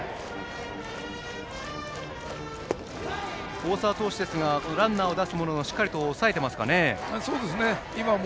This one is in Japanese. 大沢投手ですがランナーを出すもののしっかりと抑えていますね。